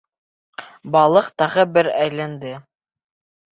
Балыҡ тағы бер әйләнде.